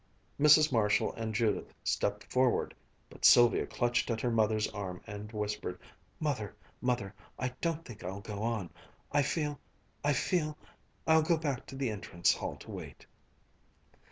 Mrs. Marshall and Judith stepped forward. But Sylvia clutched at her mother's arm and whispered: "Mother! Mother! I don't think I'll go on. I feel I feel I'll go back down to the entrance hall to wait."